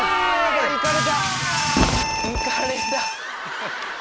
行かれた！